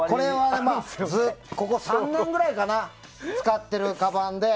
ここ３年ぐらいかな使っているカバンで。